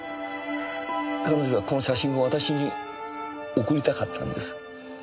彼女はこの写真を私に贈りたかったんです。